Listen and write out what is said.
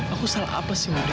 aku salah apa sih